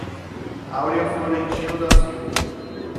Aurea Florentino da Silva